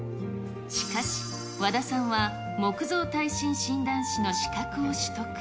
しかし、和田さんは木造耐震診断士の資格を取得。